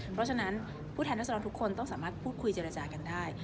เพราะฉะนั้นผู้แทนรัศดรทุกคนต้องสามารถพูดคุยเจรจากันได้